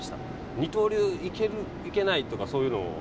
二刀流、行けるいけないとかそういうの。